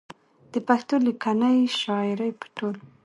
د پښتو ليکنۍ شاعرۍ په ټول